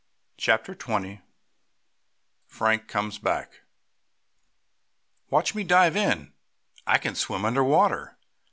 CHAPTER XX FRANK COMES BACK "Watch me dive in!" "I can swim under water!"